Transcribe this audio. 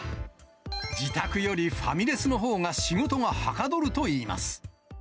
自宅よりファミレスのほうが仕事がはかどるといいます。